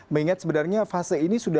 mengingat sebenarnya fase ini